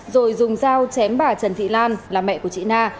rồi dùng dao chém bà trần thị lan là mẹ của chị na